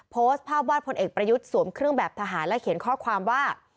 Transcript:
โพสต์ภาพวาดพลเอกประยุทธ์สวมเครื่องแบบทหารและเขียนข้อความว่า